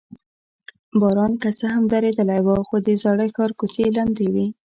باران که څه هم درېدلی و، خو د زاړه ښار کوڅې لمدې وې.